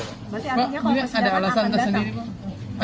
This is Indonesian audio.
pak ini ada alasan sendiri pak